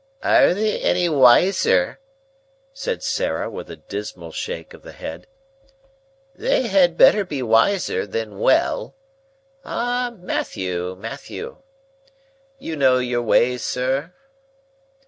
"Are they any wiser?" said Sarah, with a dismal shake of the head; "they had better be wiser, than well. Ah, Matthew, Matthew! You know your way, sir?"